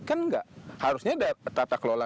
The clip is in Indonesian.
kan enggak harusnya ada tata kelola